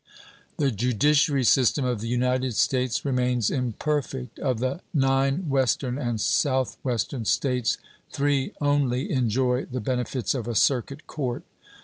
The judiciary system of the United States remains imperfect. Of the 9 Western and South Western States, three only enjoy the benefits of a circuit court.